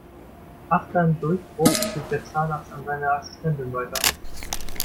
Achter im Durchbruch, gibt der Zahnarzt an seine Assistentin weiter.